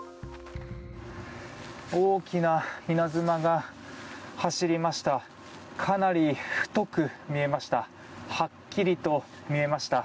大きな稲妻が走りました。